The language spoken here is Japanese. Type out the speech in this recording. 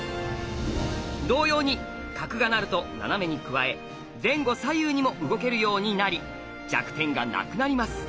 同様に角が成ると斜めに加え前後左右にも動けるようになり弱点がなくなります。